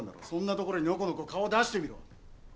そんなところにのこのこ顔出してみろ！